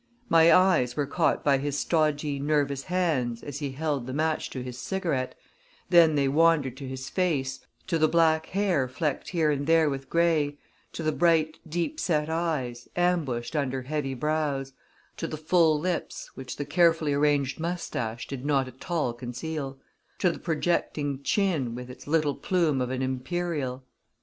My eyes were caught by his stodgy, nervous hands, as he held the match to his cigarette; then they wandered to his face to the black hair flecked here and there with gray; to the bright, deep set eyes, ambushed under heavy brows; to the full lips, which the carefully arranged mustache did not at all conceal; to the projecting chin, with its little plume of an imperial.